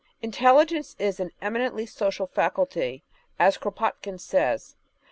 Intelligence is an eminently social faculty [as Kropotkin says]